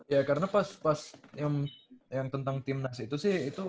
ya karena pas pas yang tentang timnas itu sih itu